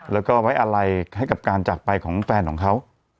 แล้วก็ไว้อะไรให้กับการจากไปของแฟนของเขา